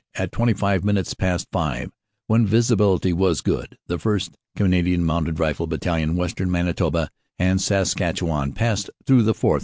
At twenty five minutes past five, when visibility was good, the 1st. C. M. R. Battalion, Western Manitoba and Saskatchewan, passed through the 4th.